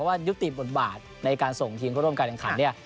เพราะว่ายุบติดหมดบาทในการส่งทีมทรวมการแข่งขันต์นี่